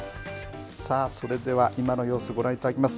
さあそれでは今の様子をご覧いただきます。